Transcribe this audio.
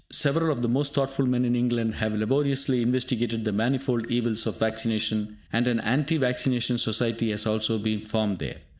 Several of the most thoughtful men in England have laboriously investigated the manifold evils of vaccination, and an Anti Vaccination Society has also been formed there.